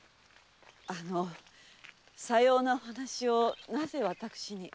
あのさようなお話をなぜ私に？